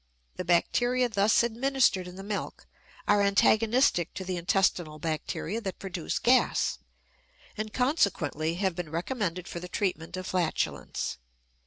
The bacteria thus administered in the milk are antagonistic to the intestinal bacteria that produce gas, and consequently have been recommended for the treatment of flatulence.